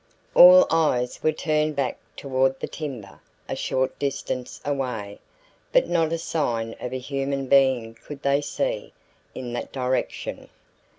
All eyes were turned back toward the timber a short distance away, but not a sign of a human being could they see in that direction.